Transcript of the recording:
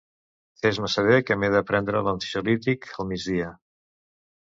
Fes-me saber que m'he de prendre l'ansiolític al migdia.